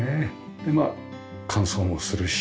でまあ乾燥もするし。